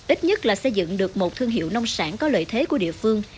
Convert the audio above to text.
ít nhất là xây dựng được một thương hiệu nông sản có lợi thế của địa phương